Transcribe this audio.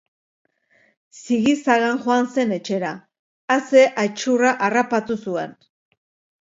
Sigi-sagan joan zen etxera! A ze aitzurra harrapatu zuen!